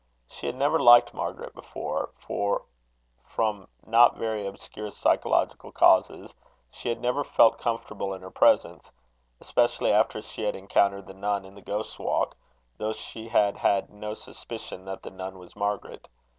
She had never liked Margaret before; for, from not very obscure psychological causes, she had never felt comfortable in her presence, especially after she had encountered the nun in the Ghost's Walk, though she had had no suspicion that the nun was Margaret.